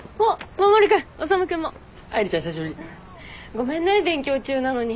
ごめんね勉強中なのに。